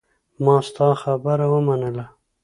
ما ستا خبره ومنله.